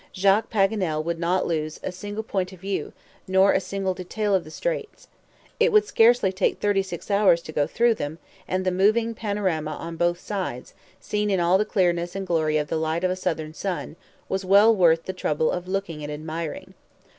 Jacques Paganel would not lose a single point of view, nor a single detail of the straits. It would scarcely take thirty six hours to go through them, and the moving panorama on both sides, seen in all the clearness and glory of the light of a southern sun, was well worth the trouble of looking at and admiring.